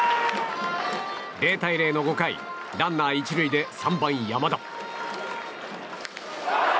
０対０の５回ランナー１塁で３番、山田。